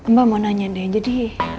mbak mau nanya deh jadi